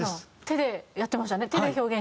手で表現してましたね。